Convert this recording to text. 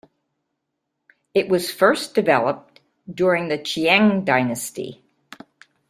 It was first developed during the Qing dynasty.